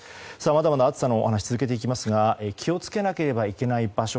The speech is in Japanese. まだまだ暑さのお話を続けてまいりますが気を付けなければいけない場所